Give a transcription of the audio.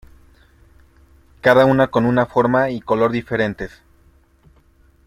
cada una con una forma y color diferentes.